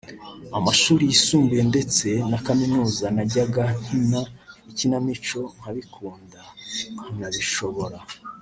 amashuri yisumbuye ndetse na kaminuza najyaga nkina ikinamico nkabikunda nkanabishobora